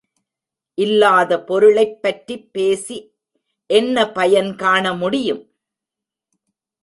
இல்லாத பொருளைப் பற்றிப் பேசி என்ன பயன் காணமுடியும்?